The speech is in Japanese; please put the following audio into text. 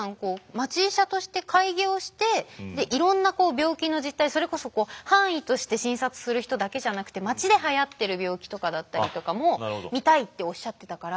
町医者として開業していろんな病気の実態それこそ藩医として診察する人だけじゃなくて町ではやってる病気とかだったりとかも見たいっておっしゃってたから。